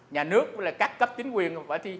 nhà nước với các cấp chính quyền